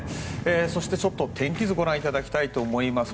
そして天気図をご覧いただきたいと思います。